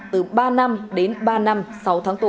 từ ba năm đến ba năm sau tháng tù